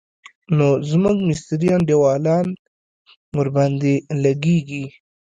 نو زموږ مستري انډيوالان ورباندې لګېږي.